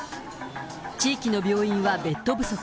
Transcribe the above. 地域の病院はベッド不足。